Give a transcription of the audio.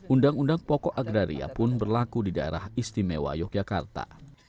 undang undang pokok agraria pun berlaku di daerah istimewa yogyakarta